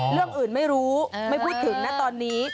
เรื่องอื่นไม่รู้ไม่พูดถึงนะตอนนี้